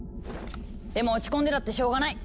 でも落ち込んでたってしょうがない！